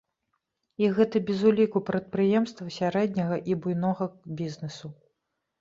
І гэта без уліку прадпрыемстваў сярэдняга і буйнога бізнэсу.